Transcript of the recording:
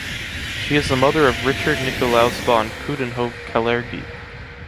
She is the mother of Richard Nikolaus von Coudenhove-Kalergi.